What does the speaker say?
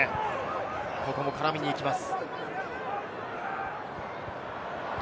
ここも絡みに行きます。